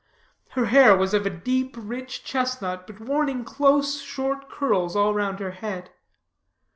Her hair was of a deep, rich chestnut, but worn in close, short curls all round her head.